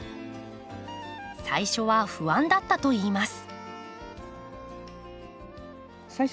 最初は不安だったといいます。